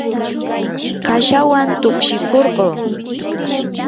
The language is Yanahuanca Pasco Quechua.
kashawan tukshikurquu.